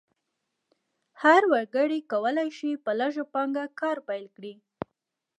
هر وګړی کولی شي په لږه پانګه کار پیل کړي.